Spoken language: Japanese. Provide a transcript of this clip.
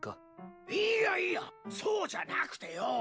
いやいやそうじゃなくてよォ